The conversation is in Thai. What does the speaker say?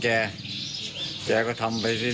กับเด็กแต่เด็กไม่เล่นด้วย